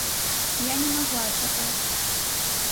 Я не магла чакаць.